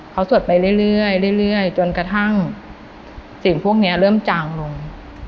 เขาสวดไปเรื่อยจนกระทั่งสิ่งพวกนี้เริ่มจางลง